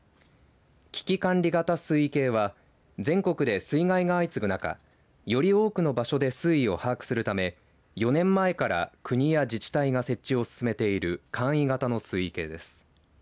危機管理型水位計は全国で水害が相次ぐ中より多くの場所で水位を把握するため４年前から国や自治体が設置を進めている簡易型の水位計です。